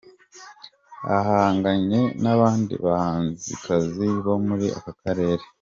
Ahanganye n'abandi bahanzikazi bo muri aka Karere.